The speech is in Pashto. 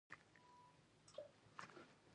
مکافات د تشویق لپاره دي